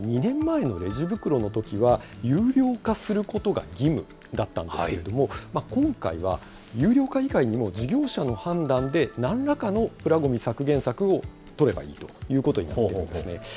というのも、２年前のレジ袋のときは、有料化することが義務だったんですけれども、今回は、有料化以外にも事業者の判断で、なんらかのプラごみ削減策を取ればいいということになっているんですね。